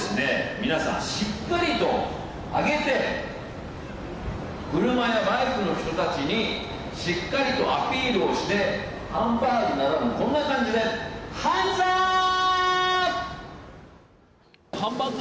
皆さん、しっかりと上げて車やバイクの人たちにしっかりとアピールをしてハンバーグならぬこんな感じでハンズアーップ。